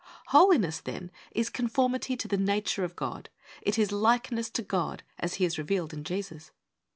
Holiness, then, is conformity to the nature of God. It is likeness to God, as He is revealed in Jesus.